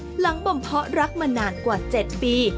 บ่มเพาะรักมานานกว่า๗ปี